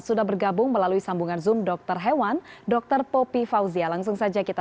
sudah bergabung melalui sambungan zoom dokter hewan dokter popi fauzia langsung saja kita